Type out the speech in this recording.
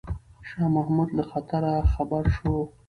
شاه محمود له خطره خبر شو.